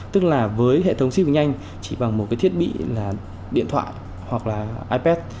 tức là với hệ thống xip cực nhanh chỉ bằng một cái thiết bị là điện thoại hoặc là ipad